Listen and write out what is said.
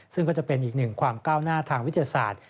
ซึ่งก็จะเป็นอีกหนึ่งความก้าวหน้าทางวิทยาศาสตร์